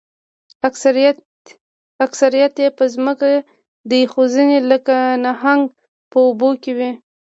اکثریت یې په ځمکه دي خو ځینې لکه نهنګ په اوبو کې وي